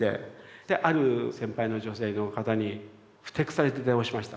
ある先輩の女性の方にふてくされて電話しました。